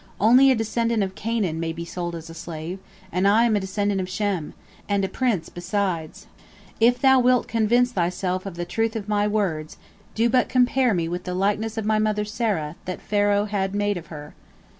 Only a descendant of Canaan may be sold as a slave, and I am a descendant of Shem, and a prince besides. If thou wilt convince thyself of the truth of my words, do but compare me with the likeness of my mother Sarah that Pharaoh had made of her!"